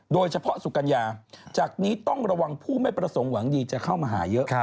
โดยเฉพาะสุกัญญาจากนี้ต้องระวังผู้ไม่ประสงค์หวังดีจะเข้ามาหาเยอะ